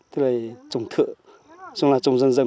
tức là trùng thựa xong là trùng dần dần